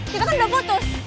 kita kan udah putus